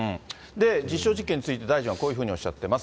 実証実験について大臣はこういうふうにおっしゃってます。